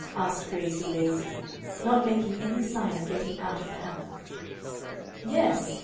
asked Gracie, lazily, not making any sign of getting out of the hammock. "Yes.